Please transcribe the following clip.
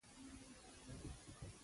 لږ به خورم ، هو سا به گرځم.